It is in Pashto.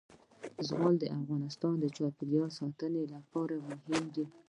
زغال د افغانستان د چاپیریال ساتنې لپاره مهم دي.